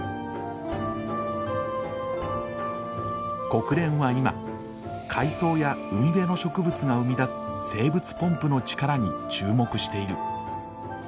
国連は今海藻や海辺の植物が生み出す生物ポンプの力に注目している。